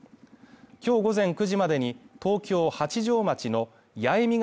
今日午前９時までに東京八丈町の八重見ヶ